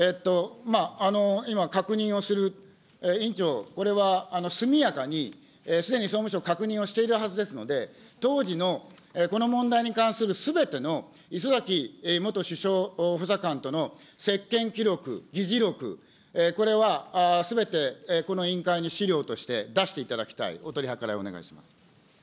今、確認をする、委員長、これは速やかに、すでに総務省、確認をしているはずですので、当時のこの問題に関するすべての礒崎元首相補佐官との接見記録、議事録、これはすべてこの委員会に資料として出していただきたい、お取り計らいお願いします。